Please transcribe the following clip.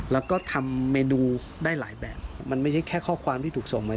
แล้วก็ทำเมนูได้หลายแบบมันไม่ใช่แค่ข้อความที่ถูกส่งมา